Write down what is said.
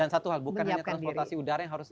dan satu hal bukan hanya transportasi udara yang harus